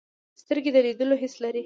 سترګې د لیدلو حس لري